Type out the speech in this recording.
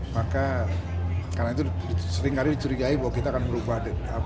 maka karena itu seringkali dicurigai bahwa kita akan berubah